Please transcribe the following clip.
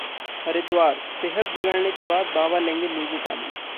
हरिद्वार: सेहत बिगड़ने के बाद बाबा लेंगे नींबू-पानी